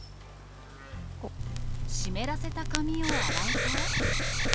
湿らせた髪を洗うと。